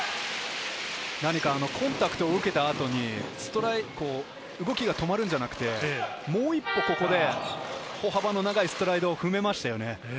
何かコンタクトを受けた後に、ストライク、動きが止まるんじゃなくて、もう１歩、ここで歩幅と長いストライドを踏めましたよね。